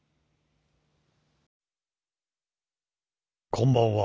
こんばんは。